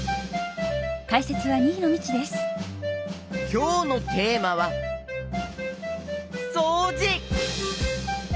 きょうのテーマは「そうじ」